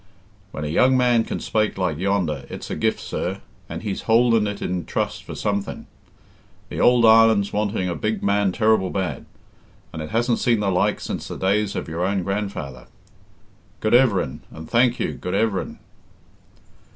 "When a young man can spake like yonder, it's a gift, sir, and he's houlding it in trust for something. The ould island's wanting a big man ter'ble bad, and it hasn't seen the like since the days of your own grandfather. Good everin, and thank you good everin!"